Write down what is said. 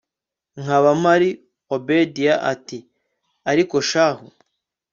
nkaba mpari obdia ati ariko shahu